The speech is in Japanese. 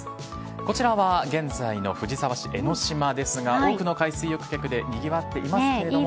こちらは現在の藤沢市江の島ですが、多くの海水浴客でにぎわっていますけれども。